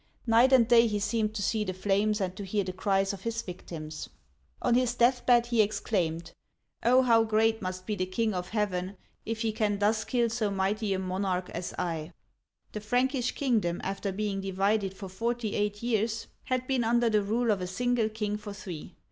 Night and day he seemed to see the flames and to hear the cries of his victims. On his death bed he exclaimed, " Oh ! how great must be the King of Heaven, if he can thus kill so mighty a monarch as I !", The Prankish kingdom, after being divided for forty eight years, had been under the rule of a single king for three.